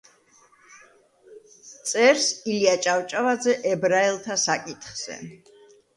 წერს ილია ჭავჭავაძე „ებრაელთა საკითხზე“.